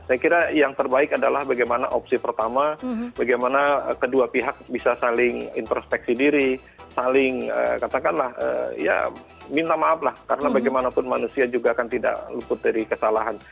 saya kira yang terbaik adalah bagaimana opsi pertama bagaimana kedua pihak bisa saling introspeksi diri saling katakanlah ya minta maaf lah karena bagaimanapun manusia juga akan tidak luput dari kesalahan